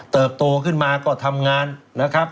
โตขึ้นมาก็ทำงานนะครับ